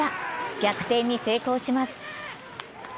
逆転に成功します。